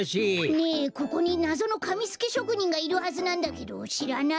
ねえここになぞのかみすきしょくにんがいるはずなんだけどしらない？